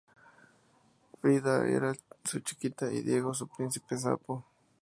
Frida era "su chiquita" y Diego su "príncipe sapo".